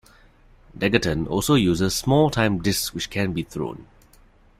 Degaton also uses small time discs which can be thrown.